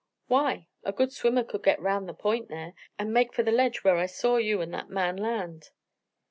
"Why? A good swimmer could get round the point there, and make for the ledge where I saw you and that man land."